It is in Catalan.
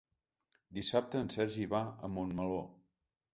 Dissabte en Sergi va a Montmeló.